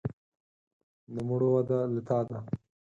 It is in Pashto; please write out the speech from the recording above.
د مړو وده له تا ده.